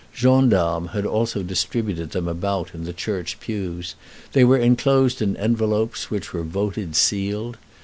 Gendarmes had also distributed them about in the church pews; they were enclosed in envelops, which were voted sealed.